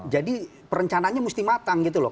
jadi perencanaannya mesti matang gitu loh